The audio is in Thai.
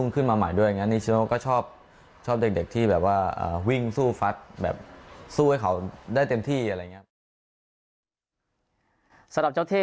สำหรับเจ้าเทพ